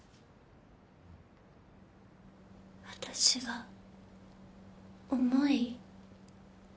私が重い？